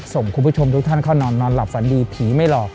คุณผู้ชมทุกท่านเข้านอนนอนหลับฝันดีผีไม่หลอก